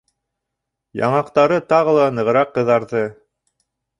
Яңаҡтары тағы ла нығыраҡ ҡыҙарҙы.